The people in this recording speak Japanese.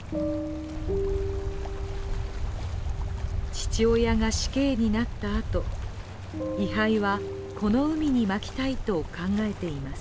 父親が死刑になったあと、遺灰はこの海にまきたいと考えています。